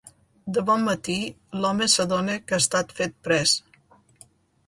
De bon matí, l'home s’adona que ha estat fet pres.